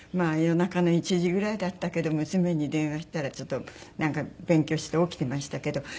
夜中の１時ぐらいだったけど娘に電話したらちょっとなんか勉強して起きてましたけど。